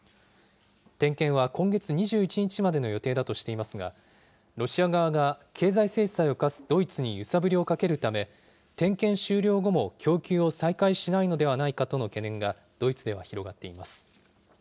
点検は今月２１日までの予定だとしていますが、ロシア側が経済制裁を科すドイツに揺さぶりをかけるため、点検終了後も供給を再開しないのではないかとの懸念がドイツでは広がっています。